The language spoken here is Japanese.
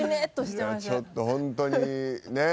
ちょっと本当にねえ？